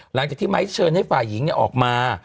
หลังจากที่ไมค์เชิญให้ฝ่ายหญิงออกมา